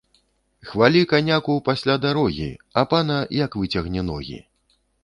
Хвалі каняку пасля дарогі, а пана ‒ як выцягне ногі